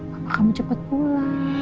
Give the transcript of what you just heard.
mama kamu cepet pulang